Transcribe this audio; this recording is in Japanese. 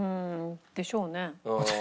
「でしょうね」？